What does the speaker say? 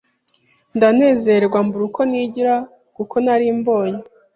ndanezerwa mbura uko nigira kuko nari mbonye